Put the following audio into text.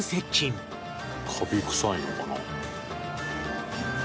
「カビくさいのかな？」